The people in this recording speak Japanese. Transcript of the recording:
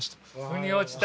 ふに落ちた？